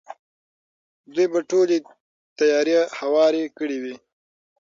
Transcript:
دوی به ټولې تیارې هوارې کړې وي.